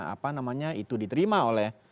apa namanya itu diterima oleh